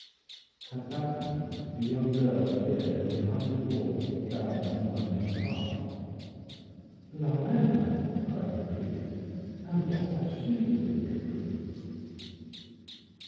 At that moment the young girl appeared from behind the wall that bounds the winding path. "Laurella!" cried the priest; "and what has she to do in Capri?"